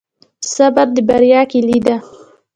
صبر د بریا کیلي ده